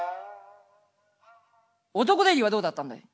「男出入りはどうだったんだい？」。